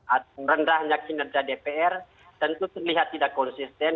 atau rendahnya kinerja dpr tentu terlihat tidak konsisten